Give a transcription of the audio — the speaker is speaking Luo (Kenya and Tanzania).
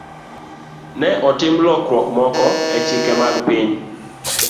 Ne otim lokruok moko e chike mag piny.